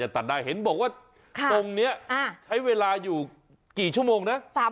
ถ้าเห็นบอกว่าตรงนี้ใช้เวลาอยู่ไกลชั่วโมงนะ